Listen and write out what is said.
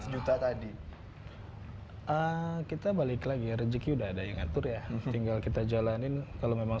lima belas juta tadi kita balik lagi rezeki udah ada yang ngatur ya tinggal kita jalanin kalau memang